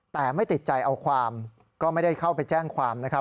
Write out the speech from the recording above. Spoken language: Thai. แต่ไม่ติดใจเอาความก็ไม่ได้เข้าไปแจ้งความนะครับ